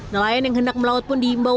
nelayan yang hendak melaut pun diimbau